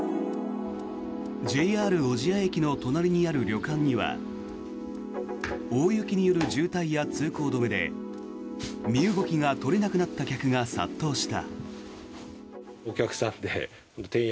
ＪＲ小千谷駅の隣にある旅館には大雪による渋滞や通行止めで身動きが取れなくなった客が殺到した。